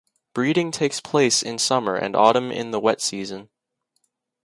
Breeding takes place in summer and autumn in the wet season.